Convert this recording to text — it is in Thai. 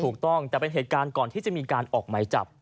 ถูกต้องแต่เป็นเหตุการณ์ก่อนที่จะมีการออกหมายจับ